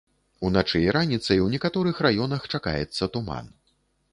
Уначы і раніцай у некаторых раёнах чакаецца туман.